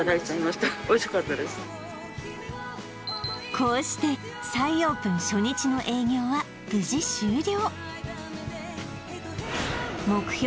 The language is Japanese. こうして再オープン初日の営業は無事終了